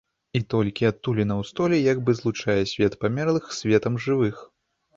І толькі адтуліна ў столі як бы злучае свет памерлых з светам жывых.